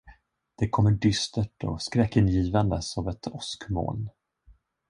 Det kommer dystert och skräckingivande som ett åskmoln.